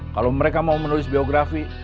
kalau mereka mau menulis biografi